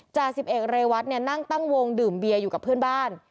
จา๑๑เรวัตน์นั่งตั้งวงดื่มเบียอยู่กับเพื่อนบ้าน